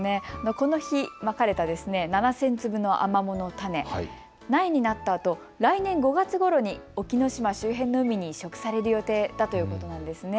この日まかれた７０００粒のアマモの種、苗になったあと、来年５月ごろに沖ノ島周辺の海に移植される予定だということです。